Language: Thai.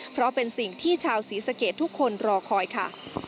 เพราะเป็นสิ่งที่ชาวศรีสะเกดทุกคนรอคอยค่ะ